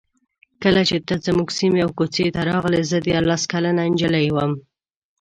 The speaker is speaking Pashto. کله چې ته زموږ سیمې او کوڅې ته راغلې زه دیارلس کلنه نجلۍ وم.